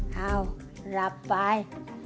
คาวรับไป